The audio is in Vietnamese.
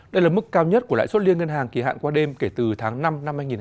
đây là mức cao nhất của lãi suất liên ngân hàng kỳ hạn qua đêm kể từ tháng năm năm hai nghìn hai mươi ba